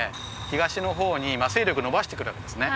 東の方に勢力伸ばしてくるわけですね